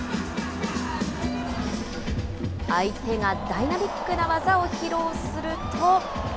相手がダイナミックな技を披露すると。